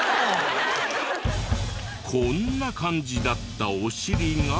こんな感じだったオシリが。